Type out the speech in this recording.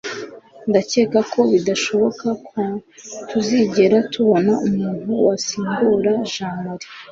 ndacyeka ko bidashoboka ko tuzigera tubona umuntu wasimbura jamali